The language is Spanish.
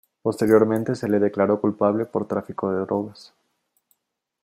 Posteriormente se le declaró culpable por tráfico de drogas.